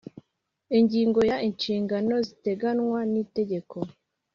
Ingingo ya inshingano ziteganywa n itegeko